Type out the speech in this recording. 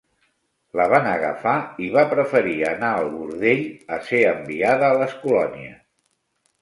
La van agafar i va preferir anar al bordell a ser enviada a les colònies.